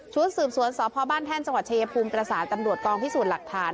สืบสวนสพบ้านแท่นจังหวัดชายภูมิประสานตำรวจกองพิสูจน์หลักฐาน